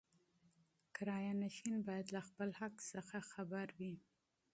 کرایه نشین باید له خپل حق څخه خبر وي.